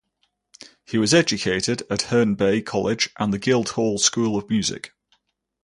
He was educated at Herne Bay College and the Guildhall School of Music.